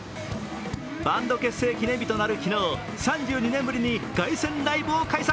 バンド結成記念日となる昨日３２年ぶりに凱旋ライブを開催。